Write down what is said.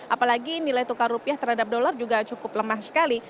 apalagi nilai tukar rupiah terhadap dolar juga cukup lemah sekali